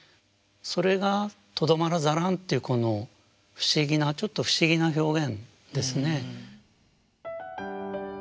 それが「とどまらざらん」というこの不思議なちょっと不思議な表現ですね。